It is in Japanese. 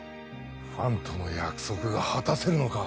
ファンとの約束が果たせるのか。